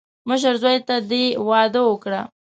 مشر زوی ته دې واده وکړه.